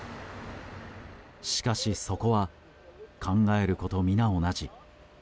しかし、そこは考えること皆同じ。